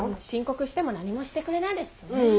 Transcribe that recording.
申告しても何もしてくれないですしね。